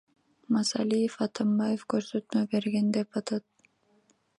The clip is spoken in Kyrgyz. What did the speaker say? Масалиев Атамбаев көрсөтмө берген деп атат.